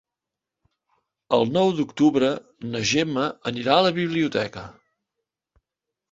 El nou d'octubre na Gemma anirà a la biblioteca.